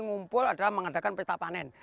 ngumpul adalah mengadakan pesta panen